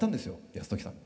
泰時さんに。